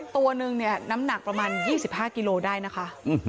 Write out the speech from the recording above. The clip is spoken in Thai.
ตัวนึงเนี่ยน้ำหนักประมาณ๒๕กิโลได้นะคะ